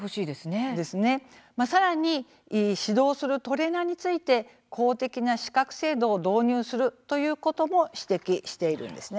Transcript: さらに指導するトレーナーについて公的な資格制度を導入することも指摘しているんですね。